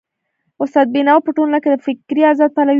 استاد بينوا په ټولنه کي د فکري ازادۍ پلوی و.